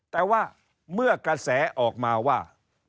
แต่ว่าเมื่อกระแสออกมาว่า